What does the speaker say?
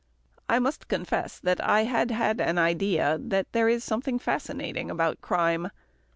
I must confess that I had had an idea that there is something fascinating about crime.